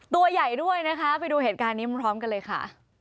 ตัวใหญ่ด้วยนะคะไปดูเหตุการณ์นี้พร้อมกันเลยค่ะ